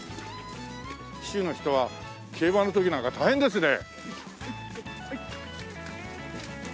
騎手の人は競馬の時なんか大変ですね。